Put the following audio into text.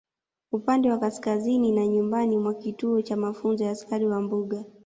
Upande wa kaskazini na nyumbani mwa kituo cha mafunzo ya askari wa mbuga